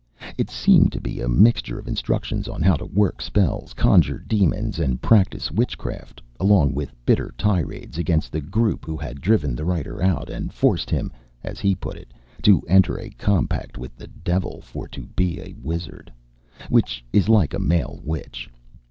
It seemed to be a mixture of instructions on how to work spells, conjure demons, and practice witchcraft, along with bitter tirades against the group who had driven the writer out and forced him, as he put it, to enter a compact with the devil for to be a wizard, which is like to a male witch.